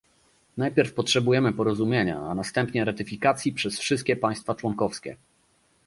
Najpierw potrzebujemy porozumienia, a następnie ratyfikacji przez wszystkie państwa członkowskie